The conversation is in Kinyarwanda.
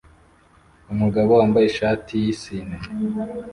Umugabo wambaye ishati yisine